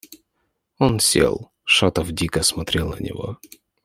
Он сел. Шатов дико смотрел на него.